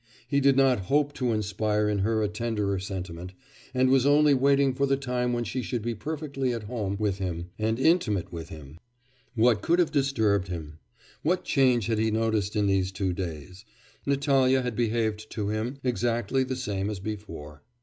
He did not hope to inspire in her a tenderer sentiment, and was only waiting for the time when she should be perfectly at home with him and intimate with him. What could have disturbed him? what change had he noticed in these two days? Natalya had behaved to him exactly the same as before....